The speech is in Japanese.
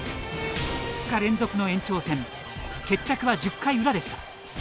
２日連続の延長戦決着は１０回裏でした。